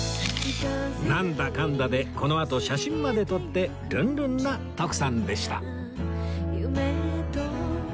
なんだかんだでこのあと写真まで撮ってルンルンな徳さんでした